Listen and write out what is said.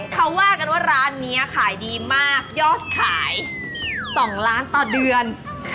เขาว่ากันว่าร้านนี้ขายดีมากยอดขาย๒ล้านต่อเดือน